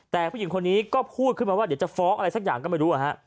แต่ผู้หญิงคนนี้ก็พูดขึ้นมาว่าเดี๋ยวจะฟ้องอะไรสักอย่างก็ไม่รู้